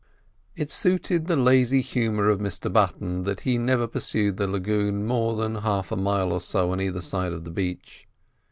It suited the lazy humour of Mr Button that he never pursued the lagoon more than half a mile or so on either side of the beach.